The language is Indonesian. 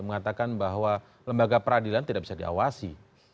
mengatakan bahwa lembaga peradilan tidak bisa diawasi